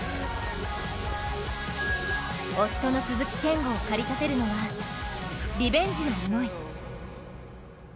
夫の鈴木健吾を駆り立てるのはリベンジの思い。